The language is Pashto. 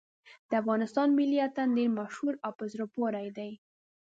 د افغانستان ملي اتڼ ډېر مشهور او په زړه پورې دی.